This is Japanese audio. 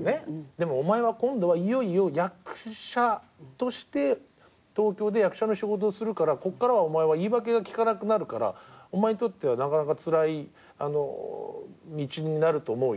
「でもお前は今度はいよいよ役者として東京で役者の仕事をするからこっからはお前は言い訳がきかなくなるからお前にとってはなかなかつらい道になると思うよ」